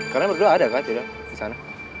karena berdua ada kah tidak di sana